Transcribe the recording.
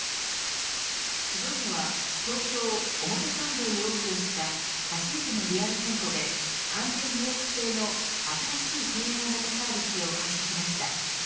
ＺＯＺＯは東京、表参道にオープンした初めてのリアル店舗で完全予約制の新しい提案型サービスを開始しました。